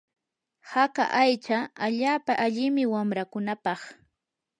haka aycha allaapa allimi wanrakunapaq.